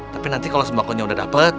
tapi nanti kalau sembakonya udah dapat